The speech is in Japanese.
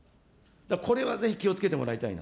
これはぜひ気をつけてもらいたい。